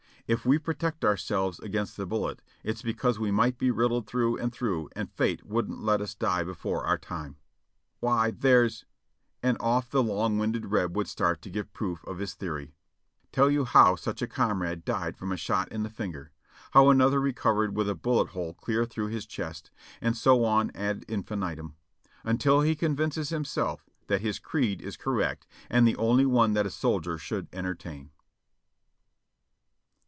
If we protect our selves against the bullet, it's because we might be riddled through and through and Fate wouldn't let us die before our time. "Why, there's —" and of( the long winded Reb will start to give proof of his theory ; tell you how such a comrade died from a shot in the finger, how another recovered with a bullet hole clear through his chest, and so on ad infinitum, until he convinces him self that his creed is correct and the only one that a soldier should entertain.